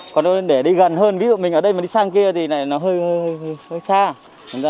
còn để đi gần hơn ví dụ mình ở đây mà đi sang kia thì lại nó hơi xa